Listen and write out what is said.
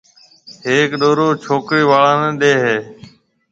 ھيَََڪ ڏورو ڇوڪرِي آݪو نيَ ڏيَ ھيََََ